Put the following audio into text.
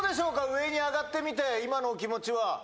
上に上がってみて今のお気持ちは。